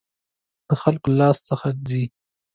د خلکو له لاسه څه ځي.